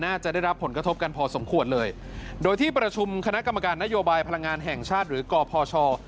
น่าจะได้รับผลกระทบกันพอสมควรเลยโดยที่ประชุมคณะกรรมการนโยบายพลังงานแห่งชาติหรือกพช